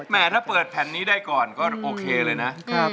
ถ้าเปิดแผ่นนี้ได้ก่อนก็โอเคเลยนะ